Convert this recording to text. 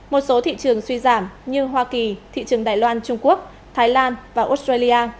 một số thị trường suy giảm như hoa kỳ thị trường đài loan trung quốc thái lan và australia